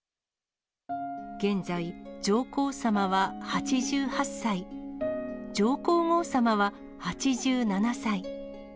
現在、上皇さまは８８歳、上皇后さまは８７歳。